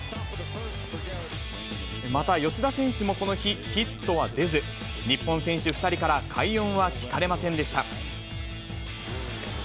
また吉田選手もこの日、ヒットは出ず、日本選手２人から快音は聞かれませんでした。